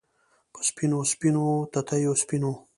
په سپینو، سپینو تتېو سپینو